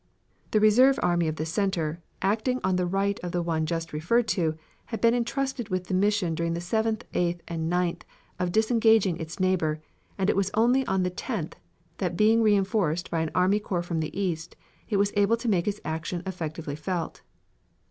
The reserve army of the center, acting on the right of the one just referred to, had been intrusted with the mission during the 7th, 8th, and 9th of disengaging its neighbor, and it was only on the 10th that being reinforced by an army corps from the east, it was able to make its action effectively felt.